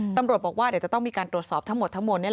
ตำรวจบอกว่าเดี๋ยวจะต้องมีการตรวจสอบทั้งหมดทั้งหมด